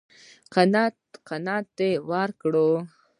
قناعت راکړی و.